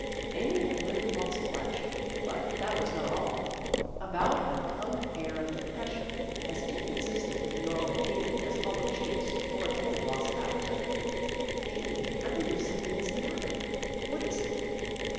Amy had really lost flesh, but that was not all. About her hung an air of depres sion, as inconsistent with the normal Amy as hollow cheeks, or a total loss of appetite. " Amy, I believe something is the matter. What is it?